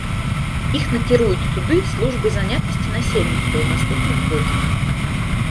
Іх накіруюць туды службы занятасці насельніцтва ў наступным годзе.